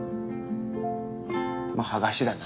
まあ剥がしだな。